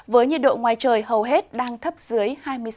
với nhiệt độ ngoài trời hầu hết đang thấp dẫn